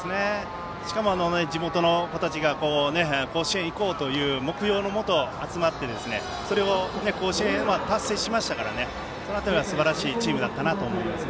しかも地元の子たちが甲子園に行こうという目標のもと集まって、それを甲子園へは達成しましたからその辺りはすばらしいチームだったなと思います。